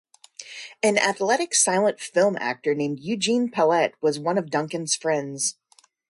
An athletic silent film actor named Eugene Pallette was one of Duncan's friends.